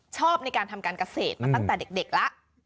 ชอบในการทำการเกษตรมาตั้งแต่เด็กแล้ว